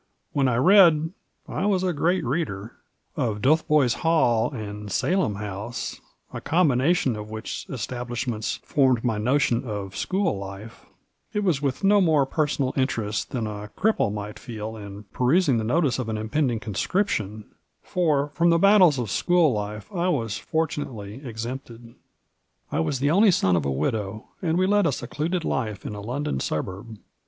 When I read (I was a great reader) of Dotheboys Hall and Salem House — a combination of which estab lishments formed my notion of school life— it was with no more personal interest than a cripple might feel in perusing the notice of an impending conscription, for from the battles of school life I was fortunately ex empted. Digitized by VjOOQIC 82 MARJORY. I was the only son of a widow, and we led a secluded life in a London suburb.